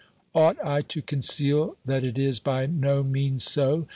Ought I to conceal that it is by no means so